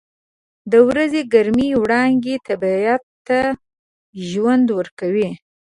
• د ورځې ګرمې وړانګې طبیعت ته ژوند ورکوي.